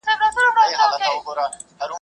څوک به مات کي زندانونه څوک به ښخ کړي ځینځیرونه.